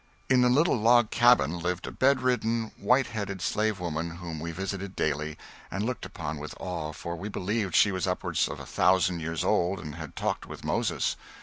In the little log cabin lived a bedridden white headed slave woman whom we visited daily, and looked upon with awe, for we believed she was upwards of a thousand years old and had talked with Moses.